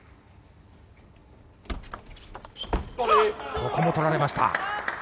ここも取られました。